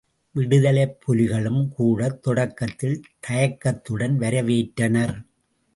விடுதலைப் புலிகளும் கூடத் தொடக்கத்தில் தயக்கத்துடன் வரவேற்றனர்.